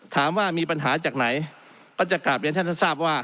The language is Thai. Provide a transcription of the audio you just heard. ถามว่ามีปัญหาจากไหนก็จะกลับเรียนท่านทราบว่า